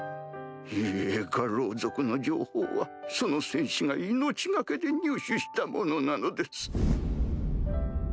いえ牙狼族の情報はその戦士が命懸けで入手したものなのです。